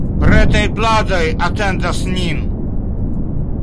Pretaj pladoj atendas nin!